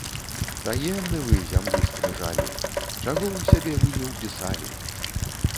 Таемны вы, зямлі скрыжалі! Чаго ў сябе вы не ўпісалі!